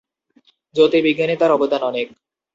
জ্যোতির্বিজ্ঞানে তার অবদান অনেক।